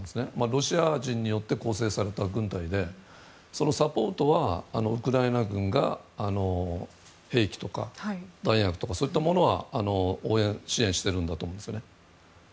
ロシア人によって構成された軍隊でそのサポートはウクライナ軍が兵器とか弾薬とかそういったものは支援してるんだと思うんですね。